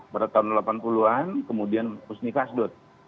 pada tahun delapan puluh an kemudian husni khasdud